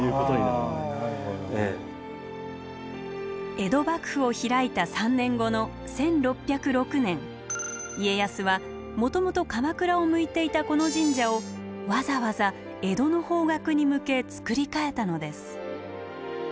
江戸幕府を開いた３年後の１６０６年家康はもともと鎌倉を向いていたこの神社をわざわざ江戸の方角に向け造り替えたのです。